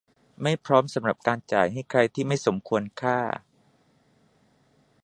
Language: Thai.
ไม่พร้อมสำหรับการจ่ายให้ใครที่ไม่สมควรค่า